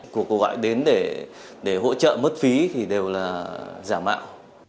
của cuộc gọi đến để hỗ trợ mất phí thì đều là giả mạo